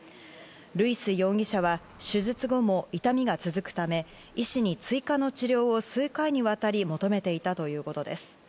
ルイス容疑者は手術後も痛みが続くため、医師に追加の治療を数回にわたり求めていたということです。